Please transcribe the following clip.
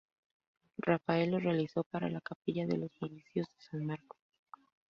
Rafael la realizó para la capilla de los Novicios de San Marco.